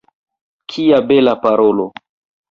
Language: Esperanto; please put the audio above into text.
Kia bela parolo!